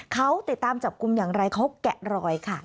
เขาติดตามจับกลุ่มอย่างไรเขาแกะรอยค่ะ